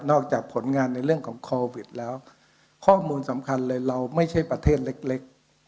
จากผลงานในเรื่องของโควิดแล้วข้อมูลสำคัญเลยเราไม่ใช่ประเทศเล็ก